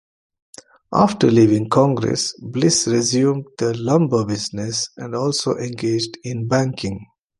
After leaving Congress, Bliss resumed the lumber business and also engaged in banking.